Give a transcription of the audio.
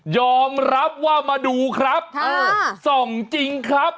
ยอมรับว่ามาดูครับส่องจริงครับ